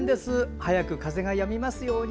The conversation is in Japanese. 早く風がやみますように。